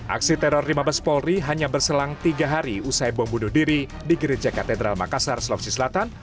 aksi teror di mabes polri hanya berselang tiga hari usai bom bunuh diri di gereja katedral makassar sulawesi selatan